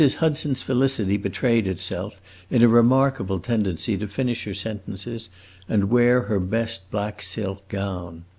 Hudson's felicity betrayed itself in a remarkable tendency to finish her sentences and wear her best black silk gown.